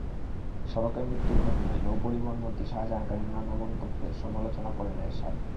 সড়কে মৃত্যুর ঘটনায় নৌপরিবহনমন্ত্রী শাজাহান খানের নানা মন্তব্যের সমালোচনা করেন এরশাদ।